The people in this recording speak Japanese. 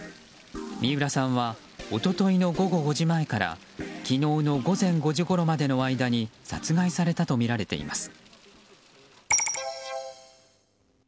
三浦さんは一昨日の午後５時前から昨日の午前５時ごろまでの間に殺害されたとみられています。